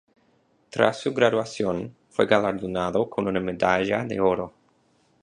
Tras su graduación, fue galardonado con una medalla de oro.